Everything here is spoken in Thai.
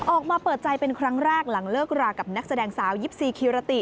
ออกมาเปิดใจเป็นครั้งแรกหลังเลิกรากับนักแสดงสาวยิปซีคิรติ